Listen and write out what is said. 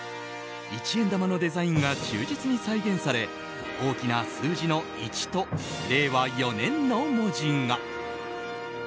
一円玉のデザインが忠実に再現され大きな数字の１と「令和四年」の文字が。